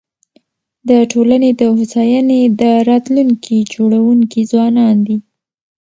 د ټولني د هوساینې د راتلونکي جوړونکي ځوانان دي.